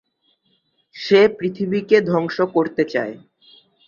সে পৃথিবী কে ধংস করতে চায়।